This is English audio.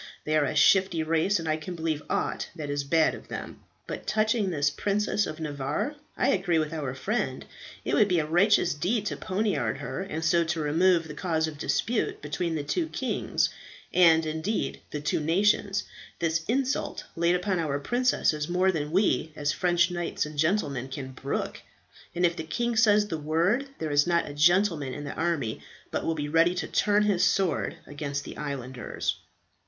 They are a shifty race, and I can believe aught that is bad of them. But touching this princess of Navarre, I agree with our friend, it would be a righteous deed to poniard her, and so to remove the cause of dispute between the two kings, and, indeed, the two nations. This insult laid upon our princess is more than we, as French knights and gentlemen, can brook; and if the king says the word, there is not a gentleman in the army but will be ready to turn his sword against the islanders."